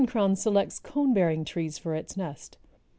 ] The Golden crown selects cone bearing trees for its nest.